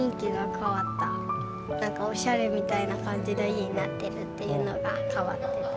なんかおしゃれみたいな感じの家になってるっていうのが変わってた。